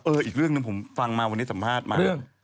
อีกเรื่องหนึ่งผมฟังมาวันนี้สัมภาษณ์มา